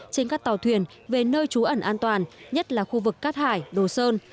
trên các tàu thuyền về nơi trú ẩn an toàn nhất là khu vực cát hải đồ sơn